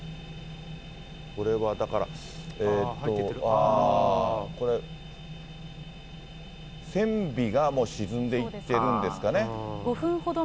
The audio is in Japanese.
これはだから、ああ、これ、船尾がもう沈んでいってるんですかね。